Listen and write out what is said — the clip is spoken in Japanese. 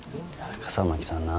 笠巻さんな